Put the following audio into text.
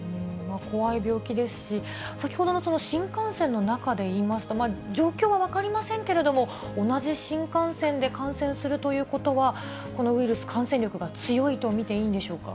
怖い病気ですし、先ほどの新幹線の中でいいますと、状況は分かりませんけれども、同じ新幹線で感染するということは、このウイルス、感染力が強いと見ていいんでしょうか。